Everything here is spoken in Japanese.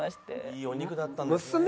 いいお肉だったんですね。